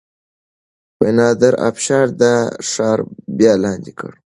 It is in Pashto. نادر افشار دا ښار بیا لاندې کړ.